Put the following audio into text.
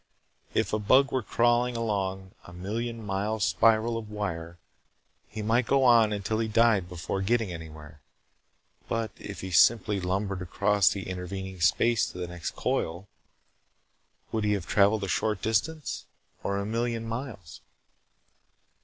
If a bug were crawling along a million mile spiral of wire, he might go on until he died before getting anywhere but if he simply lumbered across the intervening space to the next coil, would he have traveled a short distance, or a million miles?